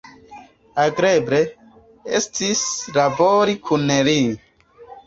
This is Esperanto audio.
Agrable estis labori kun li.